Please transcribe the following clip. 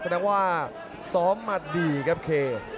แสดงว่าซ้อมมาดีครับเค